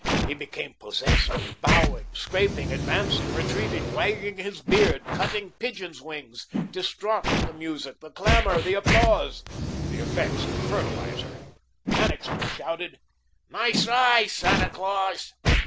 He became possessed, bowing, scraping, advancing, retreating, wagging his beard, cutting pigeons' wings, distraught with the music, the clamour, the applause, the effects of the fertiliser. Annixter shouted: "Nice eye, Santa Claus."